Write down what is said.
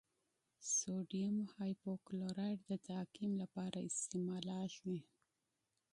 سوډیم هایپوکلورایټ د تعقیم لپاره استعمالیږي.